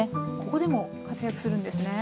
ここでも活躍するんですね。